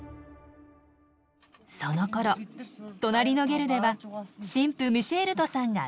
そのころ隣のゲルでは新婦ミシェールトさんが身支度中。